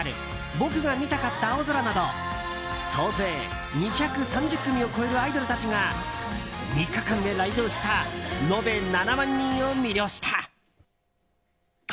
僕が見たかった青空など総勢２３０組を超えるアイドルたちが３日間で来場した延べ７万人を魅了した。